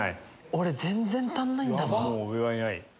俺全然足んないんだわ。